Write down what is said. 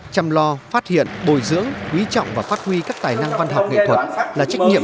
chăm lo phát hiện bồi dưỡng quý trọng và phát huy các tài năng văn học nghệ thuật là trách nhiệm